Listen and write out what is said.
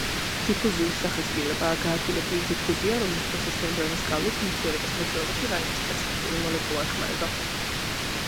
დიფუზიის სახეცვლილებაა გაადვილებული დიფუზია, რომლის დროსაც მემბრანის გავლით ნივთიერებას მოძრაობაში რაიმე სპეციფიკური მოლეკულა ეხმარება.